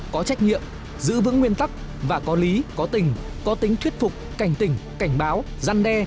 có trách nhiệm giữ vững nguyên tắc và có lý có tình có tính thuyết phục cảnh tình cảnh báo gian đe